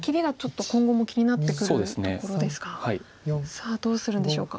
さあどうするんでしょうか。